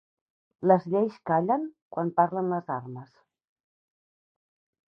Les lleis callen quan parlen les armes.